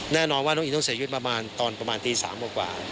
แน่นอนว่าน้องอิงต้องเสียหยุดประมาณตี๓กว่า